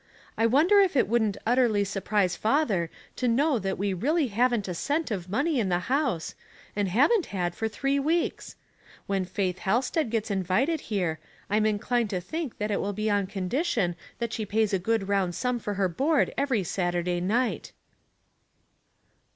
I wonder if it wouldn't utterly surprise father to know that we really haven't a cent of money in the house, and haven't had for three weeks. When Faith Halstead gets invited here, I'm inclined to think that it will be on condition that she pays a good round sum for her board every Saturday night.'